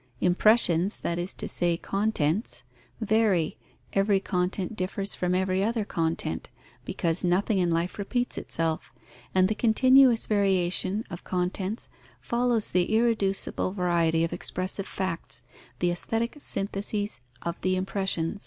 Impressions, that is to say contents, vary; every content differs from every other content, because nothing in life repeats itself; and the continuous variation of contents follows the irreducible variety of expressive facts, the aesthetic syntheses of the impressions.